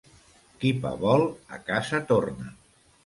Qui pa vol, a casa torna.